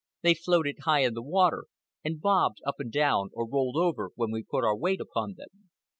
They floated high in the water, and bobbed up and down or rolled over when we put our weight upon them.